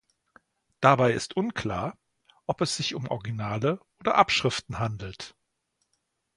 Dabei ist unklar, ob es sich um Originale oder Abschriften handelt.